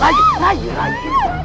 rai rai rai